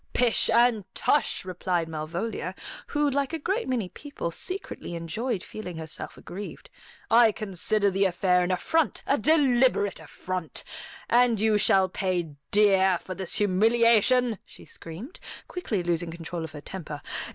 "Pish and tush!" replied Malvolia, who, like a great many people, secretly enjoyed feeling herself aggrieved. "I consider the affair an affront, a deliberate affront. And you shall pay dear for this humiliation," she screamed, quickly losing control of her temper.